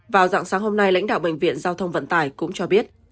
vào dạng sáng hôm nay lãnh đạo bệnh viện giao thông vận tải cũng cho biết